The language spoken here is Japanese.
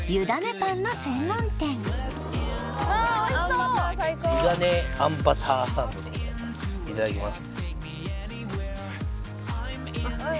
パンの専門店あおいしそうあんバター最高湯だねあんバターサンドでございますいただきます